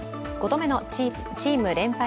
５度目のチーム連敗